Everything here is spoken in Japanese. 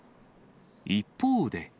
一方で。